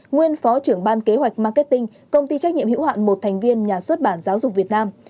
nguyên phó trưởng ban kế hoạch marketing công ty trách nhiệm hữu hạn một thành viên nhà xuất bản giáo dục việt nam